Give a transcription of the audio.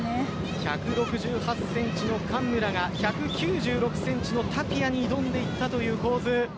１６８ｃｍの上村が１９６ｃｍのタピアに挑んでいったという構図。